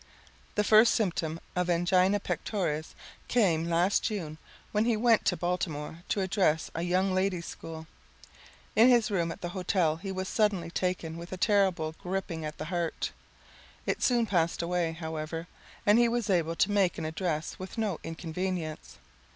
The first symptom of angina pectoris came last June when he went to Baltimore to address a young ladies school. In his room at the hotel he was suddenly taken with a terrible gripping at the heart. It soon passed away, however, and he was able to make an address with no inconvenience.